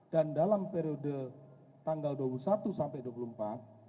dan dalam periode tanggal dua puluh satu sampai dua puluh empat